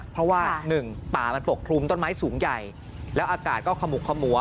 เพราะว่าหนึ่งป่ามันปกคลุมต้นไม้สูงใหญ่แล้วอากาศก็ขมุกขมัว